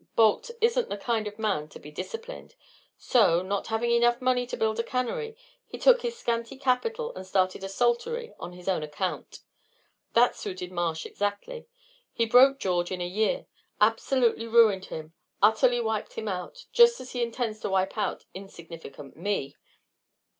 Balt isn't the kind of man to be disciplined; so, not having enough money to build a cannery, he took his scanty capital and started a saltery on his own account. That suited Marsh exactly; he broke George in a year, absolutely ruined him, utterly wiped him out, just as he intends to wipe out insignificant me!